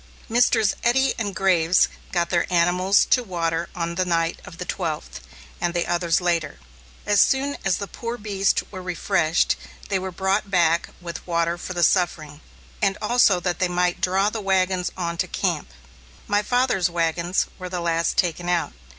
Messrs. Eddy and Graves got their animals to water on the night of the twelfth, and the others later. As soon as the poor beasts were refreshed, they were brought back with water for the suffering, and also that they might draw the wagons on to camp. My father's wagons were the last taken out.